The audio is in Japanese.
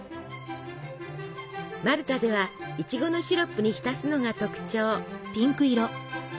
マルタではイチゴのシロップに浸すのが特徴。